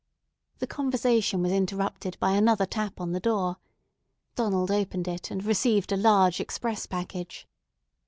The conversation was interrupted by another tap on the door. Donald opened it, and received a large express package.